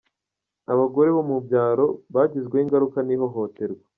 abagore bo mu byaro bagizweho ingaruka n’ihohoterwa